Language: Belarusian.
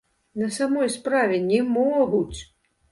На самой справе, не могуць.